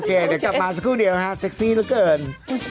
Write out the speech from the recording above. โอเคเดี๋ยวกลับมาสักครู่เดียวฮะเซ็กซี่ละเกิน